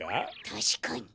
たしかに。